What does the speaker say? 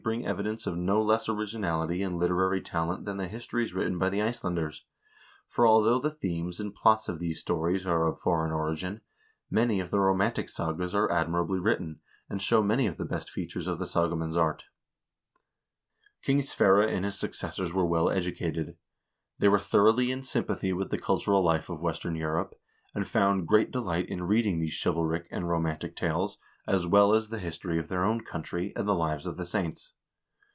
XL 492 HISTORY OF THE NORWEGIAN PEOPLE evidence of no less originality and literary talent than the histories written by the Icelanders, for although the themes and plots of these stories are of foreign origin, many of the romantic sagas are admirably written, and show many of the best features of the sagaman's art. King Sverre and his successors were well educated. They were thoroughly in sympathy with the cultural life of western Europe, and found great delight in reading these chivalric and romantic tales, as well as the history of their own country, and the lives of the saints.